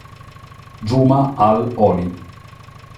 Juma Al-Holi